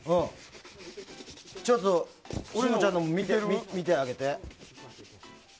ちょっと信五ちゃんのも見てあげて。